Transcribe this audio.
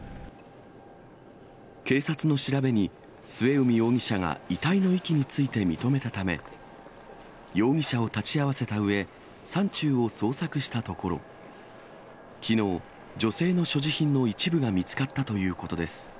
警察の調べに、末海容疑者が遺体の遺棄について認めたため、容疑者を立ち会わせたうえ、山中を捜索したところ、きのう、女性の所持品の一部が見つかったということです。